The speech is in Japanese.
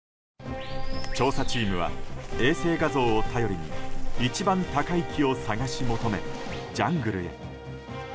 調査チームは衛星画像を頼りに一番高い木を探し求めジャングルへ。